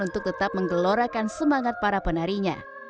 untuk tetap menggelorakan semangat para penarinya